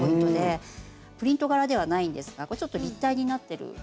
プリント柄ではないんですがちょっと立体になってる。